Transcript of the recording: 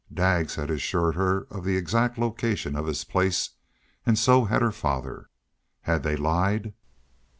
Daggs had assured her of the exact location on his place, and so had her father. Had they lied?